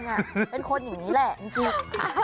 เป็นคนอย่างนี้แหละจริง